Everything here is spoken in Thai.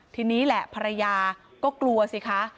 ทีนี้แหละภรรยาก็กลัวสิคะ